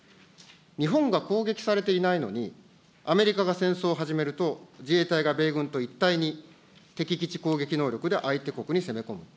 日本が攻撃されていないのに、アメリカが戦争を始めると、自衛隊が米軍と一体に、敵基地攻撃能力で相手国に攻め込む。